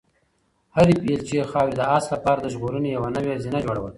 هرې بیلچې خاورې د آس لپاره د ژغورنې یوه نوې زینه جوړوله.